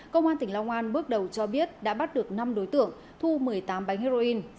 công an tỉnh long an bước đầu cho biết đã bắt được năm đối tượng thu một mươi tám bánh heroin